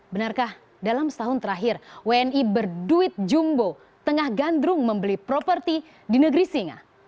benarkah dalam setahun terakhir wni berduit jumbo tengah gandrung membeli properti di negeri singa